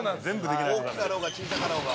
大きかろうが小さかろうが。